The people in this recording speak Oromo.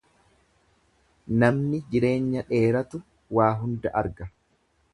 Namni jireenya dheeratu waa hunda arga.